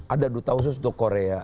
ada duta khusus untuk korea